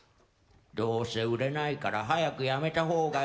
「どうせ売れないから早くやめた方がいいよ」。